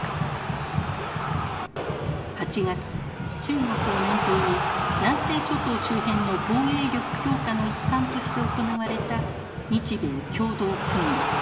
８月中国を念頭に南西諸島周辺の防衛力強化の一環として行われた日米共同訓練。